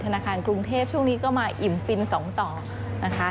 ธนาคารกรุงเทพช่วงนี้ก็มาอิ่มฟิน๒ต่อนะคะ